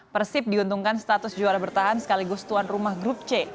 persib diuntungkan status juara bertahan sekaligus tuan rumah grup c